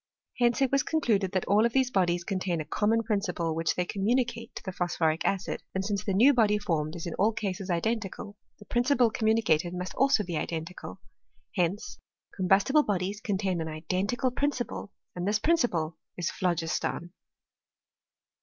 Hence it was con^* 4;luded that all of these bodies contain a common prin p ciple which they communicate to the phosphoric acid ; and since the new body formed is in all cases identical, the principle communicated must also be identical. Hence combustible bodies contain an identical prin ciple, and this principle is phlogiston.